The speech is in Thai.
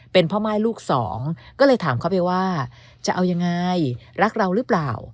เป็นพ่อม่ายลูกสองก็เลยถามเขาไปว่าจะเอายังไงรักเราหรือเปล่า